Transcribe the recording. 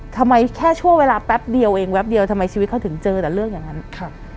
ทำไมแค่ชั่วเวลาแป๊บเดียวเองทำไมชีวิตเขาถึงเจอแต่เรื่องอย่างนั้น